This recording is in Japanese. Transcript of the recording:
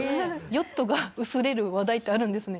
ヨットが薄れる話題ってあるんですね。